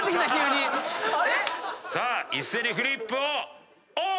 さあ一斉にフリップをオープン！